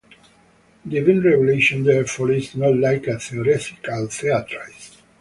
Divine revelation therefore is not like a theoretical treatise.